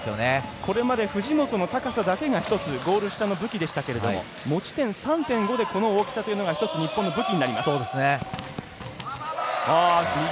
これまで藤本の高さだけがゴール下の武器でしたけれども持ち点３．５でこの大きさというのが日本の武器になります。